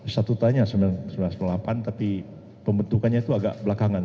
statutanya seribu sembilan ratus sembilan puluh delapan tapi pembentukannya itu agak belakangan